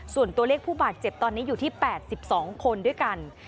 ส่วนตัวเลขผู้บาดเจ็บตอนนี้อยู่ที่๘๒คนด้วยกัน